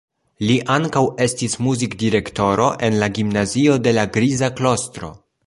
Li ankaŭ estis muzik-direktoro en la gimnazio de la "Griza Klostro".